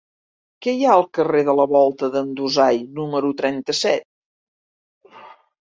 Què hi ha al carrer de la Volta d'en Dusai número trenta-set?